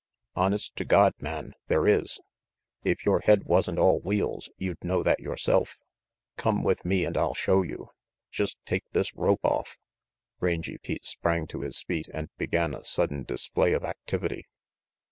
"Honest to God, man, there is. If your head RANGY PETE 97 wasn't all wheels, you'd know that yourself. Gome with me and I'll show you. Just take this rope off " Rangy Pete sprang to his feet and began a sudden display of activity.